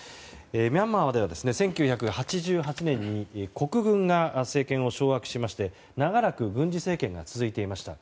ミャンマーでは１９８８年に国軍が政権を掌握しまして長らく軍事政権が続いていました。